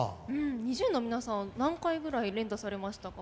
ＮｉｚｉＵの皆さんは何回くらい連打されましたか？